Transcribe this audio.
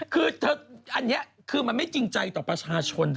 คืออันนี้คือมันไม่จริงใจต่อประชาชน